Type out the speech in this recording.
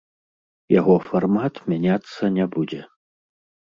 Яго фармат мяняцца не будзе.